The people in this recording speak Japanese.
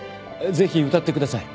ぜひ歌ってください。